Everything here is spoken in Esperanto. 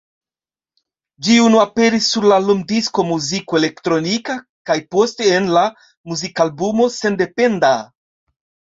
Ĝi unu aperis sur la lumdisko "Muziko Elektronika", kaj poste en la muzikalbumo "Sendependa".